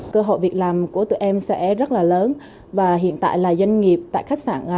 cơ hội việc làm của tụi em sẽ rất là lớn và hiện tại là doanh nghiệp tại khách sạn